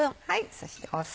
そして酢。